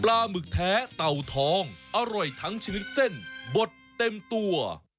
หมึกแท้เต่าทองอร่อยทั้งชนิดเส้นบดเต็มตัว